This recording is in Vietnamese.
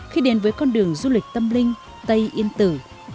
khi đến với con đường du lịch tâm linh tây yên tử